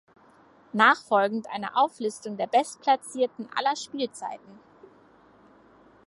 Nachfolgend eine Auflistung der Bestplatzierten aller Spielzeiten.